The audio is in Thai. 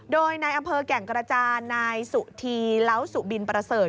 โดยในอำเภอแก่งกระจานนายสุธีเล้าสุบินประเสริฐ